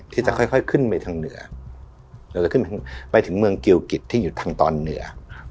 ที่จะค่อยขึ้นไปทางเหนือไปถึงเมืองเกียวกิจที่อยู่ทางตอนเหนือ